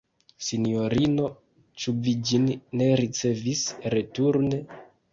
Sinjorino, ĉu vi ĝin ne ricevis returne?